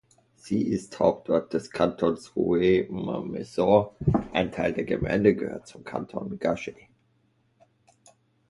Sie ist Hauptort des Kantons Rueil-Malmaison; ein Teil der Gemeinde gehörte zum Kanton Garches.